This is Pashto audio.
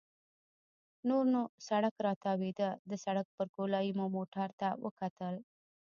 نور نو سړک راتاوېده، د سړک پر ګولایې مو موټرو ته وکتل.